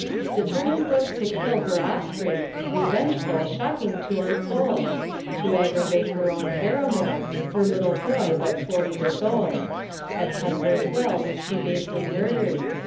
Determined was to kill her offspring, Revengeful, shocking to unfold, To aggravate her own paramour, Her little boy but four years old; At Tunbridge Wells she basely murder'd.